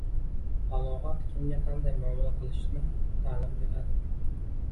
Balog‘at kimga qanday muomala qilishni ta’lim beradi.